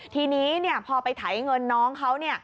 ทีนี้พอไปไถเงินน้องเขา